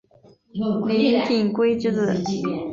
林廷圭之子。